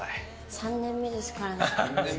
３年目ですからね。